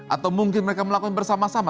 atau mungkin mereka melakukan bersama sama